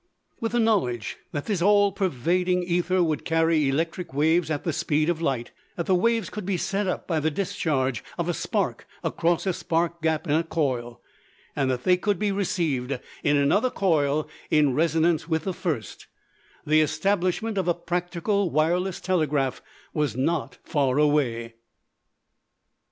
With the knowledge that this all pervading ether would carry electric waves at the speed of light, that the waves could be set up by the discharge of a spark across a spark gap in a coil, and that they could be received in another coil in resonance with the first, the establishment of a practical wireless telegraph was not far away.